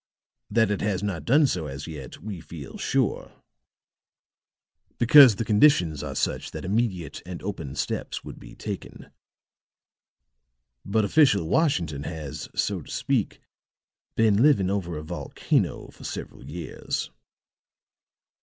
That it has not done so as yet, we feel sure; because the conditions are such that immediate and open steps would be taken. But official Washington has, so to speak, been living over a volcano for several years."